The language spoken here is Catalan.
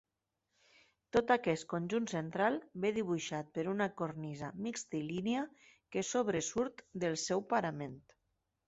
Tot aquest conjunt central ve dibuixat per una cornisa mixtilínia que sobresurt del seu parament.